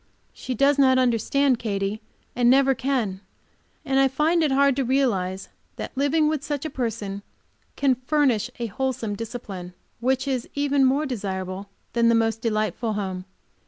She does not understand Katy, and never can, and I find it hard to realize that living with such a person can furnish a wholesome discipline, which is even more desirable than the most delightful home.